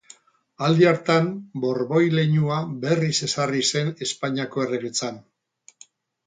Aldi hartan, Borboi leinua berriz ezarri zen Espainiako erregetzan.